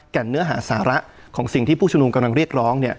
เนื้อหาสาระของสิ่งที่ผู้ชุมนุมกำลังเรียกร้อง